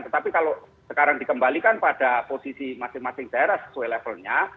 tetapi kalau sekarang dikembalikan pada posisi masing masing daerah sesuai levelnya